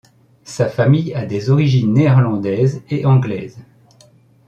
Sa famille a des origines néerlandaise et anglaise.